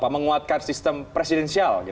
menguatkan sistem presidensial